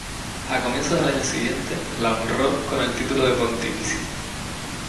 A comienzos del año siguiente la honró con el título de pontificia.